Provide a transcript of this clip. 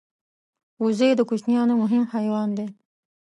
وزې د کوچیانو مهم حیوان دی